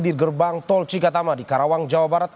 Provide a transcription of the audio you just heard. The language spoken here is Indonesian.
di gerbang tol cikatama di karawang jawa barat